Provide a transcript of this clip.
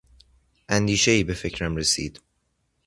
اندیشهای به فکرم رسید.